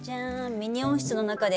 ミニ温室の中で。